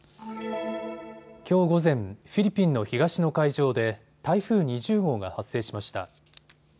きょう午前、フィリピンの東の海上で台風２０号が発生しました。